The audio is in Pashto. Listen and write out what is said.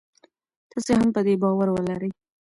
تاسي هم په دې باور ولرئ.